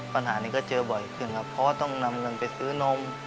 ปัญหานี้ก็เจอบ่อยขึ้นครับเพราะว่าต้องนำเงินไปซื้อนม